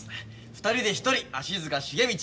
２人で１人足塚茂道。